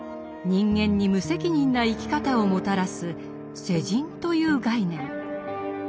人間に無責任な生き方をもたらす「世人」という概念。